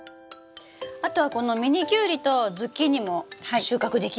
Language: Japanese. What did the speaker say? あとはこのミニキュウリとズッキーニも収穫できるかなと。